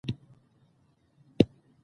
سیاسي مشران د ولس استازي دي